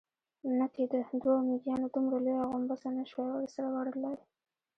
نه کېده، دوو مېږيانو دومره لويه غومبسه نه شوای ورسره وړلای.